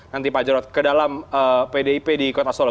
nanti pak jarod ke dalam pdip di kota solo